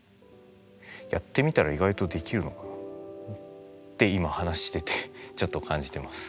やってみたら意外とできるのかなって今話しててちょっと感じてます。